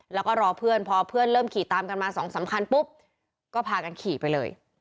แล้วก็รอเพื่อนพอเพื่อนเริ่มขี่ตามกันมาสองสามคันปุ๊บก็พากันขี่ไปเลย